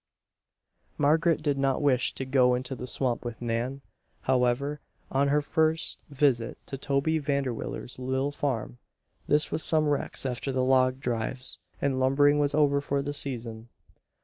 Margaret did not wish to go into the swamp with Nan, however, on her first visit to Toby Vanderwiller's little farm. This was some weeks after the log drives, and lumbering was over for the season.